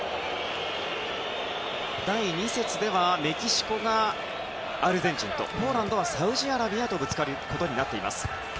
第２節ではメキシコがアルゼンチンとポーランドはサウジアラビアとぶつかることになっています。